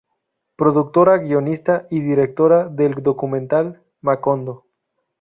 Productora, guionista y directora del documental Macondo.